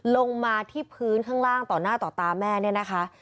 ลงมาที่พื้นข้างล่างต่อหน้าต่อตาแม่เนี่ยนะคะ